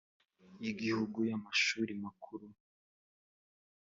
y igihugu y amashuri makuru